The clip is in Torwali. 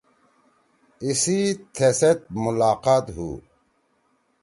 ایسی تھیسیت ملاقات ہُو۔